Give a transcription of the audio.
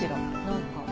何か。